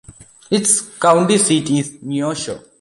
Its county seat is Neosho.